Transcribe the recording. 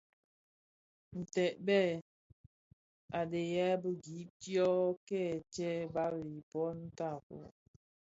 Ntèbèn a dhiyaï di gib dio kè tsee bali i bon tafog.